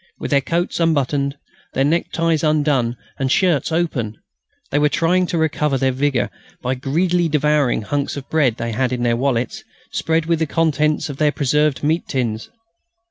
With their coats unbuttoned, their neckties undone and shirts open, they were trying to recover their vigour by greedily devouring hunks of bread they had in their wallets, spread with the contents of their preserved meat tins.